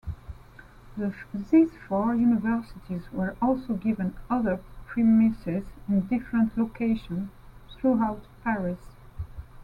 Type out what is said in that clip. These four universities were also given other premises in different locations throughout Paris.